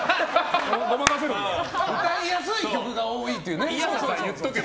歌いやすい曲が多いという。